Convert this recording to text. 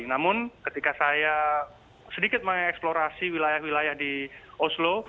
namun ketika saya sedikit mengeksplorasi wilayah wilayah di oslo